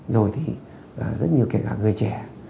rồi thì rất nhiều kể cả người trẻ